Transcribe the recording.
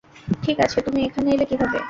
ঠিক আছে, তুমি এখানে এলে কিভাবে?